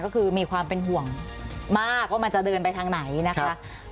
ก็คือมีความเป็นห่วงมากว่ามันจะเดินไปทางไหนนะคะ